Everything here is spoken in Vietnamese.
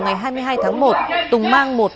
ngày hai mươi hai tháng một tùng mang một